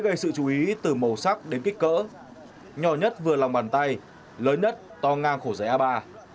dễ gây sự chú ý từ màu sắc đến kích cỡ nhỏ nhất vừa lòng bàn tay lớn nhất to ngang khổ rẻ ba